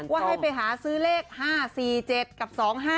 ว่าให้ไปหาซื้อเลข๕๔๗กับ๒๕๖